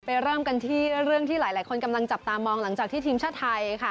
เริ่มกันที่เรื่องที่หลายคนกำลังจับตามองหลังจากที่ทีมชาติไทยค่ะ